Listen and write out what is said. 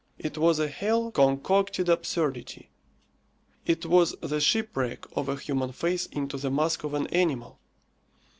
It was a hell concocted absurdity. It was the shipwreck of a human face into the mask of an animal.